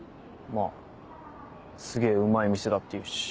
まぁすげぇうまい店だっていうし。